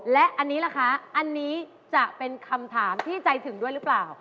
และอันนี้ล่ะคะอันนี้จะเป็นคำถามที่ใจถึงด้วยหรือเปล่า